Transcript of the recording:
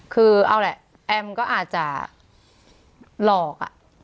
คือเอาแหละแอมก็อาจจะหลอก